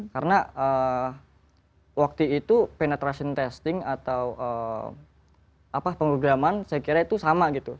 karena waktu itu penetration testing atau pengurgaan saya kira itu sama gitu